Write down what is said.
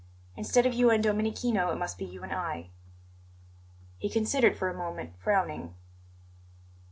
Instead of you and Domenichino, it must be you and I." He considered for a moment, frowning.